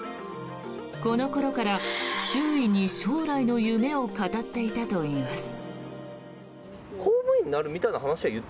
この頃から、周囲に将来の夢を語っていたといいます。